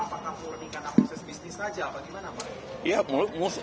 apakah murni karena proses bisnis saja atau gimana pak